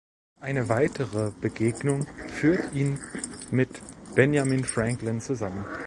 Eine weitere Begegnung führt ihn mit Benjamin Franklin zusammen.